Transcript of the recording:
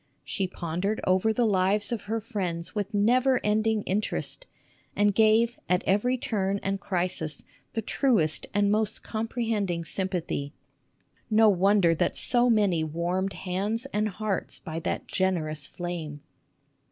She pondered over the lives of her friends with never ending interest, and gave at every turn and crisis the truest and most comprehending sympathy. No wonder that so many warmed hands and hearts by that generous flame